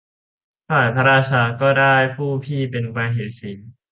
ฝ่ายพระราชาก็ได้ผู้พี่เป็นมเหสี